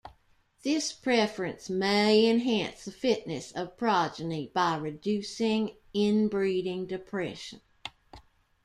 This preference may enhance the fitness of progeny by reducing inbreeding depression.